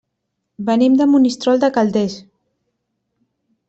Venim de Monistrol de Calders.